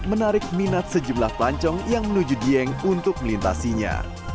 menarik minat sejumlah pelancong yang menuju dieng untuk melintasinya